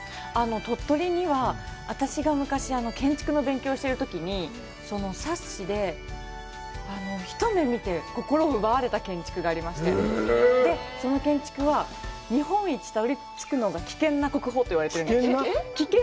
鳥取には私が昔建築の勉強をしているときに冊子で一目見て心を奪われた建築がありましてその建築は日本一たどり着くのが危険な国宝と言われているんです。